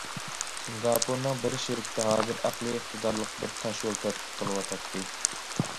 سىنگاپورنىڭ بىر شىركىتى ھازىر ئەقلىي ئىقتىدارلىق بىر تاشيول تەتقىق قىلىۋاتاتتى.